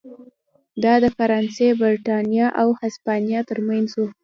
دا د فرانسې، برېټانیا او هسپانیا ترمنځ و.